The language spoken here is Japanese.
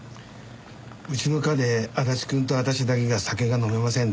うちの課で足立くんとあたしだけが酒が飲めません